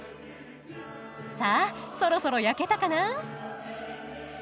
さあそろそろ焼けたかな？